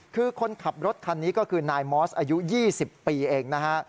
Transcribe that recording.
คือคนขับรถคันนี้ก็คือนายมอสอายุ๒๐ปีเองนะฮะ